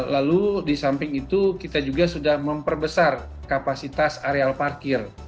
lalu di samping itu kita juga sudah memperbesar kapasitas areal parkir